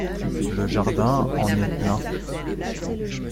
Le jardin en est plein…